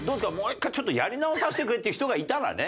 １回ちょっとやり直させてくれっていう人がいたらね。